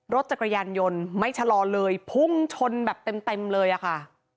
รถจักรยานยนต์ไม่ชะลอเลยพุ่งชนแบบเต็มเลยอะค่ะ